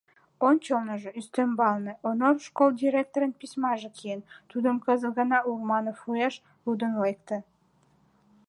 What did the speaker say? Ончылныжо, ӱстембалне, Онор школ директорын письмаже киен — тудым кызыт гына Урманов уэш лудын лекте.